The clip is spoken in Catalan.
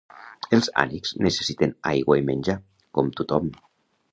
Els ànecs nessessiten aigua i menjar, com tothom.